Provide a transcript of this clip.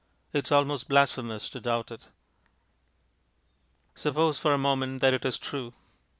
It is almost blasphemous to doubt it. Suppose for a moment that it is true.